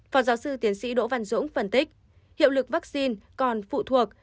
phó giáo sư tiến sĩ đỗ văn dũng phân tích hiệu lực vaccine còn phụ thuộc